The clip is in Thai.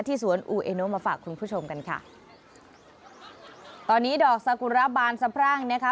สวนอูเอโนมาฝากคุณผู้ชมกันค่ะตอนนี้ดอกซากุระบานสะพรั่งนะคะ